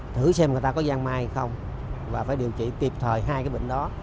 thử xem người ta có gian mai hay không và phải điều trị kịp thời hai cái bệnh đó